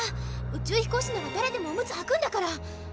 宇宙飛行士ならだれでもオムツはくんだから！